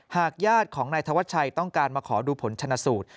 ญาติของนายธวัชชัยต้องการมาขอดูผลชนะสูตร